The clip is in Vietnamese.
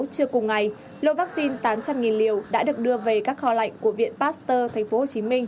trưa cùng ngày lô vaccine tám trăm linh liều đã được đưa về các kho lạnh của viện pasteur tp hcm